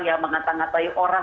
yang mengatang atai orang